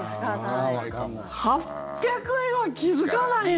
８００円は気付かないな。